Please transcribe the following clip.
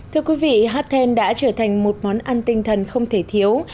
thưa quý vị hát then đã trở thành một món ăn tinh thần không thể thiếu